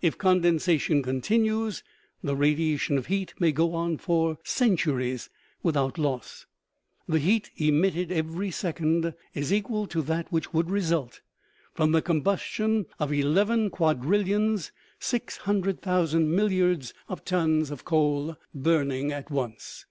If condensation continues, the radiation of heat may go on for centuries without loss. The heat emitted every second is equal to that which would result from the combustion of eleven quadrillions six hundred thousand milliards of tons of 18 274 OMEGA. coal burning at once